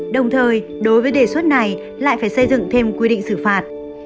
đồng thời đối với đề xuất này lại phải xây dựng thêm quy định xử phạt